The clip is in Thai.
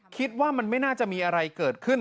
คิดว่ามันไม่น่าจะมีอะไรเกิดขึ้น